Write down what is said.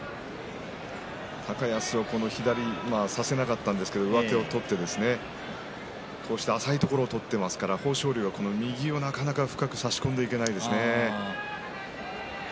高安はこの左を差せなかったんですけれども上手を取って浅いところを取っていますから豊昇龍は、右をなかなか深く差し込んでいけないんですね。